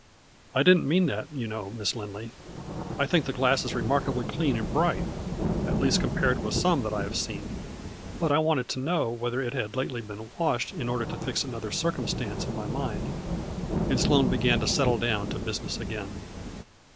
" I didn't mean that, you know, Miss Lindley. I think the glass is remarkably clean and bright, at least compared with some that I have seen, but I wanted to know whether it had lately been washed in order to fix another circum stance in my mind," and Sloane began to settle down to business again.